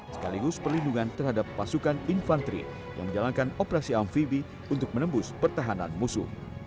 sekaligus perlindungan terhadap pasukan infanteri yang menjalankan operasi amfibi untuk menembus pertahanan musuh